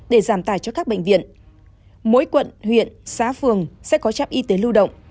để giảm tài cho các bệnh viện mỗi quận huyện xã phường sẽ có trạm y tế lưu động